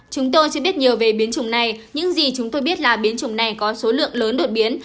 chúng tôi chưa biết nhiều về biến chủng này những gì chúng tôi biết là biến chủng này có số lượng lớn đột biến